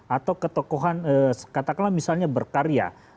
atau ketokohan katakanlah misalnya berkarya